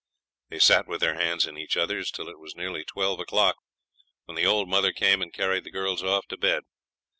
They sat with their hands in each other's till it was nearly twelve o'clock, when the old mother came and carried the girls off to bed.